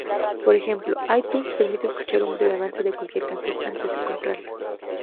Por ejemplo, iTunes permite escuchar un breve avance de cualquier canción antes de comprarla.